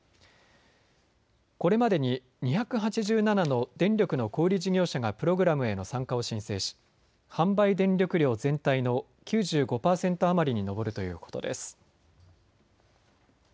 これまでに２８７の電力の小売り事業者がプログラムへの参加を申請し、販売電力量全体の９５％余りに上るということです。